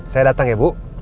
saya datang ya bu